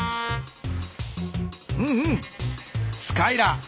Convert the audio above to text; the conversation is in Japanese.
うんうんスカイラー。